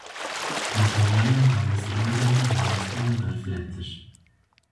Kampanyaya damezirandina mamosteyan berfirehtir.